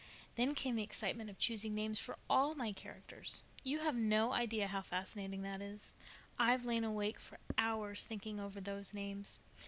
Then came the excitement of choosing names for all my characters. You have no idea how fascinating that is. I've lain awake for hours thinking over those names.